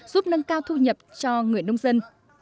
giúp nâng cao thu nhập cho người nông dân